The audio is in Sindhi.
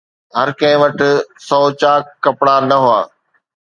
هر ڪنهن وٽ سؤ چاڪ ڪپڙا نه هئا